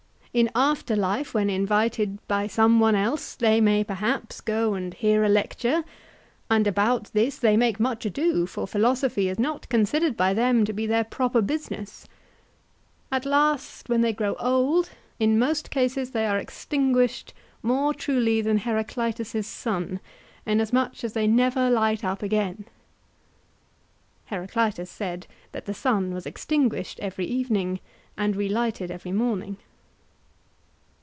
In after life when invited by some one else, they may, perhaps, go and hear a lecture, and about this they make much ado, for philosophy is not considered by them to be their proper business: at last, when they grow old, in most cases they are extinguished more truly than Heracleitus' sun, inasmuch as they never light up again. (Heraclitus said that the sun was extinguished every evening and relighted every morning.)